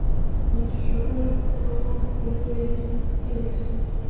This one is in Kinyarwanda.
Ntidushobora kubaho kuri yen ku kwezi